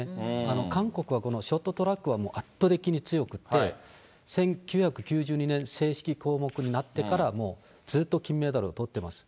韓国はこのショートトラックは圧倒的に強くて、１９９２年、正式項目になってからもう、ずっと金メダルをとってます。